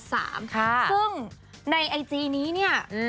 ซึ่งในไอจีนี้เนี่ย